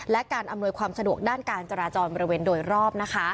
และการอำนวยความสะดวกด้านการจราจรบริเวณโดยรอบ